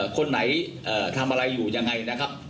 คนไหนทำอะไรอยู่ยังไงนะครับ